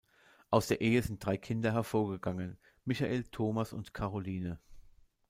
Aus der Ehe sind drei Kinder hervorgegangen: Michael, Thomas und Caroline.